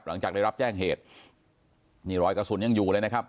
หลังจากได้รับแจ้งเหตุนี่รอยกระสุนยังอยู่เลยนะครับ